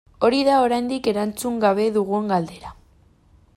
Hori da oraindik erantzun gabe dugun galdera.